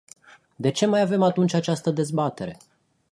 De ce mai avem atunci această dezbatere?